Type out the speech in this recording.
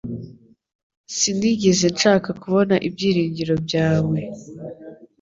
Sinigeze nshaka kubona ibyiringiro byawe